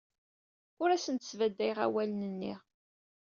Ur asen-d-sbadayeɣ awalen-nni.